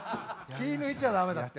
気ぃ抜いちゃ駄目だって。